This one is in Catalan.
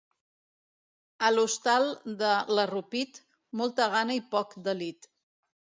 A l'hostal de l'Arrupit, molta gana i poc delit.